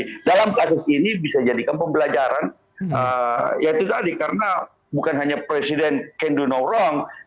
jadi dalam kasus ini bisa jadikan pembelajaran ya itu tadi karena bukan hanya presiden can do no wrong